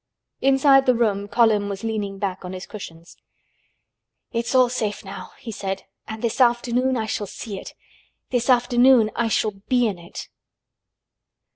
Inside the room Colin was leaning back on his cushions. "It's all safe now," he said. "And this afternoon I shall see it—this afternoon I shall be in it!"